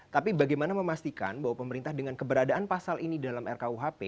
tapi bagaimana memastikan bahwa pemerintah dengan keberadaan pasal ini dalam rkuhp